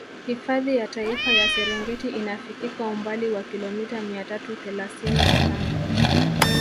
Hifadhi ya Taifa ya Serengeti inafikika umbali wa kilomita mia tatu thelasini na tano